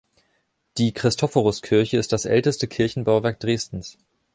Die Christophoruskirche ist das älteste Kirchenbauwerk Dresdens.